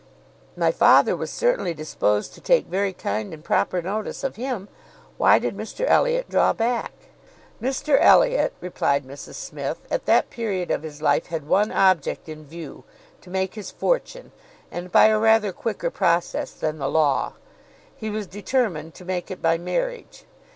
My father was certainly disposed to take very kind and proper notice of him. Why did Mr Elliot draw back?" "Mr Elliot," replied Mrs Smith, "at that period of his life, had one object in view: to make his fortune, and by a rather quicker process than the law. He was determined to make it by marriage.